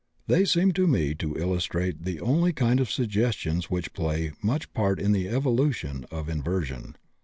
They seem to me to illustrate the only kind of suggestions which play much part in the evolution of inversion.